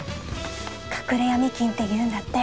隠れヤミ金って言うんだって。